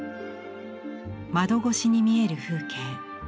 窓越しに見える風景。